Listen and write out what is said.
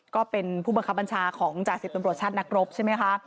ก็เป็นผู้บังคับบัญชาของจ่าสิบตำรวจชาตินักรบใช่ไหมคะ